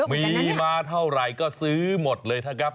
มีมาเท่าไหร่ก็ซื้อหมดเลยนะครับ